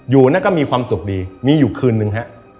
อยู่นั่นก็มีความสุขดีมีอยู่คืนนึงฮะ